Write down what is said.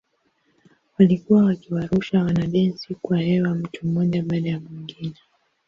Walikuwa wakiwarusha wanadensi kwa hewa mtu mmoja baada ya mwingine.